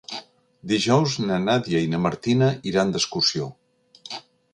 Dijous na Nàdia i na Martina iran d'excursió.